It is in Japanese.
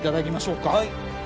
はい。